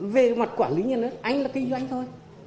về mặt quản lý nhà nước anh là kinh doanh thôi